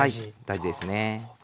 大事ですね。